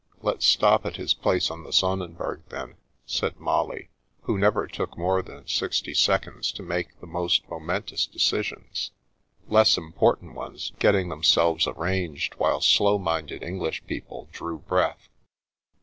" Let's stop at his place on the Sonnenberg, then," said Molly, who never took more than sixty seconds to make the most momentous decisions, less impor tant ones getting themselves arranged while slow minded English people drew breath.